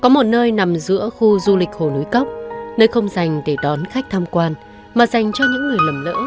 hãy đăng ký kênh để ủng hộ kênh của mình nhé